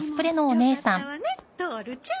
よかったわねトオルちゃん。